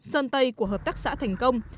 sơn tây của hợp tác xã thành công